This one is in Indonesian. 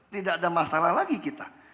tidak ada masalah lagi kita